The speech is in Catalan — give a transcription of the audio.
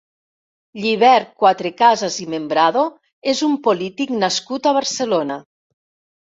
Llibert Cuatrecasas i Membrado és un polític nascut a Barcelona.